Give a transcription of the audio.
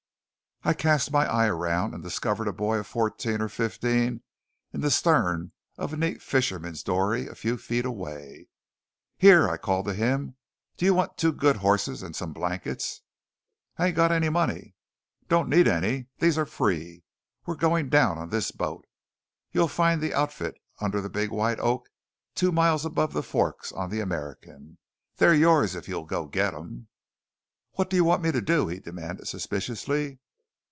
I cast my eye around, and discovered a boy of fourteen or fifteen in the stern of a neat fisherman's dory a few feet away. "Here!" I called to him. "Do you want two good horses and some blankets?" "I ain't got any money." "Don't need any. These are free. We're going down on this boat. You'll find the outfit under the big white oak two miles above the forks on the American. They're yours if you'll go get them." "What do you want me to do?" he demanded suspiciously.